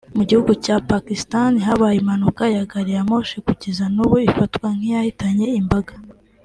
Mu gihugu cya Pakistan habaye impanuka ya gari ya Moshi kugeza n’ubu ifatwa nk’iyahitanye imbaga